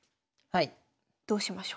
はい。